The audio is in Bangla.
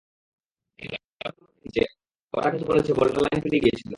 খেলোয়াড়ের মধ্যে যারা দেখেছে, ওরা কিন্তু বলেছে বলটা লাইন পেরিয়ে গিয়েছিল।